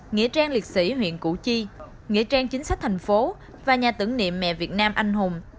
nghĩa trang liệt sĩ huyện củ chi nghĩa trang chính sách thành phố và nhà tưởng niệm mẹ việt nam anh hùng